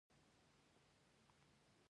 د قرضونو کتابچه راوباسه.